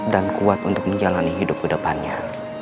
dan kuat untuk menjalani hidup ke depannya